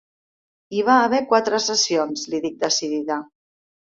Hi va haver quatre sessions –li dic decidida–.